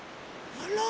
あら？